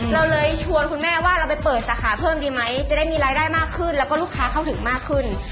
เราเลยชวนคุณแม่ว่าเราไปเปิดสาขาเพิ่มดีไหมจะได้มีรายได้มากขึ้นแล้วก็ลูกค้าเข้าถึงมากขึ้น